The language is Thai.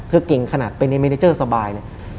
เธอเก่งขนาดเป็นเมเนเจอร์สบาย